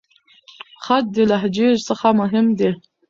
خج د لهجې څخه مهم دی.